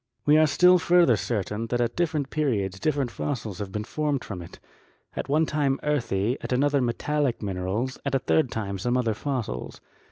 "We are still further certain that at different periods different fossils have been formed from it, at one time earthy, at another metallic minerals, at a third time some other fossils.